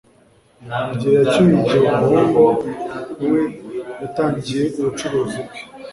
Igihe yacyuye igihe umuhungu we yatangiye ubucuruzi bwe